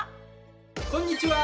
こんにちは。